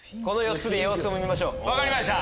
この４つで様子を見ましょう。